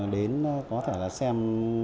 đến có thể là xem